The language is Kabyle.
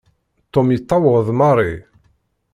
Tom yettaweḍ Mary.